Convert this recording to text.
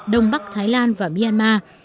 đông bắc thái lan và myanmar